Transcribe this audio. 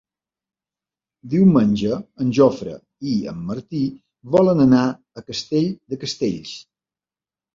Diumenge en Jofre i en Martí volen anar a Castell de Castells.